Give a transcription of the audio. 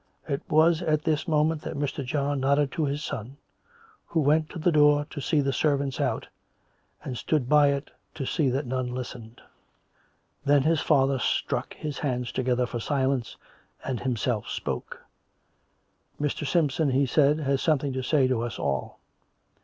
It was at this moment that Mr. John nodded to his son, who went to the door to see the servants out, and stood by it to see that none listened. Then his COME RACK! COME ROPE! 101 father struck his hands together for silence, and himself spoke. " Mr. Simpson," he said, " has something to say to us all.